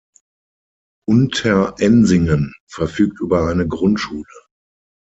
Unterensingen verfügt über eine Grundschule.